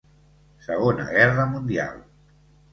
Segona Guerra Mundial.